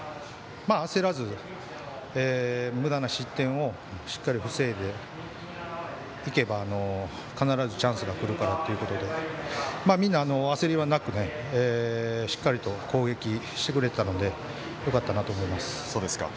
焦らずむだな失点をしっかり防いでいけば必ずチャンスがくるからということでみんな、焦りはなくしっかりと攻撃してくれてたのでよかったなと思います。